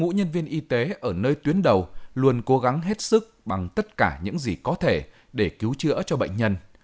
các nhân viên y tế ở nơi tuyến đầu luôn cố gắng hết sức bằng tất cả những gì có thể để cứu chữa cho bệnh nhân